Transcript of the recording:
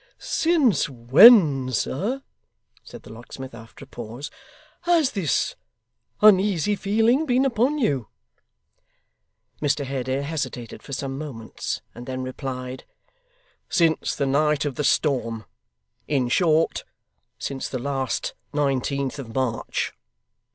'Since when, sir,' said the locksmith after a pause, 'has this uneasy feeling been upon you?' Mr Haredale hesitated for some moments, and then replied: 'Since the night of the storm. In short, since the last nineteenth of March.